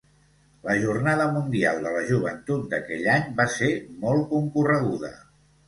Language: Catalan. La Jornada Mundial de la Joventut d'aquell any va ser molt concorreguda.